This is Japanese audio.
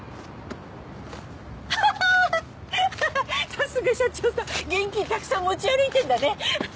さすが社長さん現金たくさん持ち歩いてんだね。